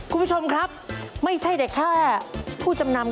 คุณผู้ชมครับไม่ใช่แต่แค่ผู้จำนำ